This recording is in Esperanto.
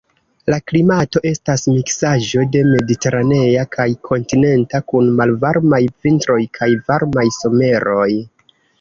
La klimato estas miksaĵo de mediteranea kaj kontinenta, kun malvarmaj vintroj kaj varmaj someroj.